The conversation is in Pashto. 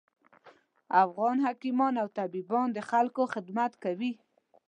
افغان حکیمان او طبیبان د خلکوخدمت کوي